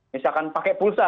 misalkan pakai pulsa